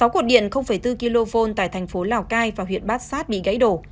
sáu cột điện bốn kv tại thành phố lào cai và huyện bát sát bị gãy đổ